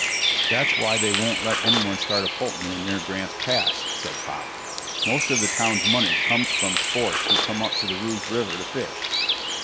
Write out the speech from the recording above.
"That's why they won't let anyone start a pulp mill near Grants Pass," said Pop. "Most of the town's money comes from sports who come up to the Rogue River to fish."